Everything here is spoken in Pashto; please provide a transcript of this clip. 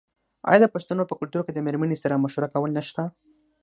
آیا د پښتنو په کلتور کې د میرمنې سره مشوره کول نشته؟